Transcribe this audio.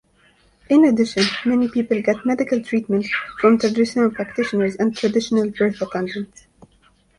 In addition, many people get medical treatment from traditional practitioners and traditional birth attendants.